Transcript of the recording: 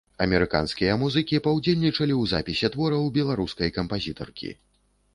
Амерыканскія музыкі паўдзельнічалі ў запісе твораў беларускай кампазітаркі.